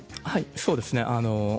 はい、そうですね。